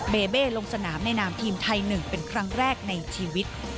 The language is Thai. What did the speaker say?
เบเบ้ลงสนามในนามทีมไทย๑เป็นครั้งแรกในชีวิต